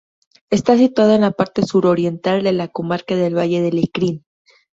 Está situada en la parte suroriental de la comarca del Valle de Lecrín.